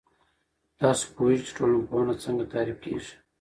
تاسو پوهیږئ چې ټولنپوهنه څنګه تعريف کیږي؟